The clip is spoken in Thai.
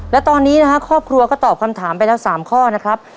และตอนนี้นะครับครอบครัวก็ตอบคำถามไปแล้ว๓ข้อนะครับ